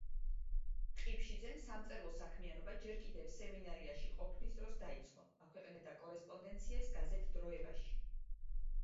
ყიფშიძემ სამწერლო საქმიანობა ჯერ კიდევ სემინარიაში ყოფნის დროს დაიწყო, აქვეყნებდა კორესპონდენციებს გაზეთ „დროებაში“.